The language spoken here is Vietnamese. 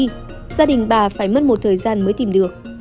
gia đình bà phải mất một thời gian mới tìm được